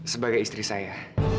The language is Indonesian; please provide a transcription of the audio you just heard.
sebagai istri saya